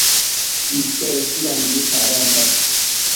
Isedequida mibi tsadenda